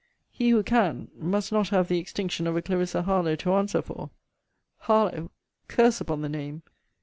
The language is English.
He who can, must not have the extinction of a Clarissa Harlowe to answer for. Harlowe! Curse upon the name!